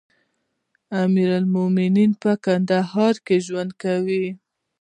امير المؤمنين په کندهار کې ژوند کوي.